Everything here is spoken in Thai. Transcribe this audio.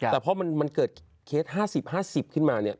แต่พอมันเกิดเคส๕๐๕๐ขึ้นมาเนี่ย